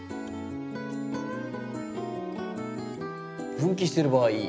分岐してる場合。